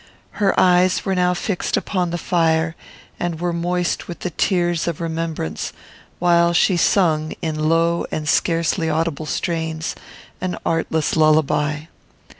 Her eyes were now fixed upon the fire and were moist with the tears of remembrance, while she sung, in low and scarcely audible strains, an artless lullaby.